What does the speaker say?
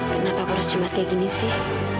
kenapa aku harus cemas kayak gini sih